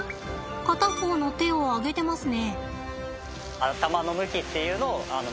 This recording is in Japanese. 片方の手を上げてますね。